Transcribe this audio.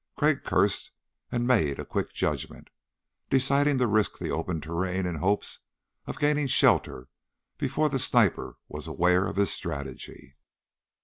Crag cursed and made a quick judgment, deciding to risk the open terrain in hopes of gaining shelter before the sniper was aware of his strategy.